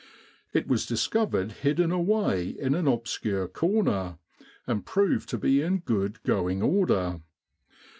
It was discovered hidden away in an ob scure corner, and proved to be in good going order.